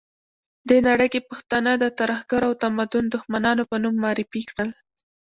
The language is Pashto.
ده نړۍ کې پښتانه د ترهګرو او تمدن دښمنانو په نوم معرفي کړل.